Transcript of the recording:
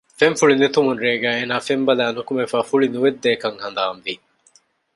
ފެންފުޅި ނެތުމުން ރޭގައި އޭނާ ފެން ބަލައި ނުކުމެފައި ފުޅި ނުވެއްދޭކަން ހަނދާންވި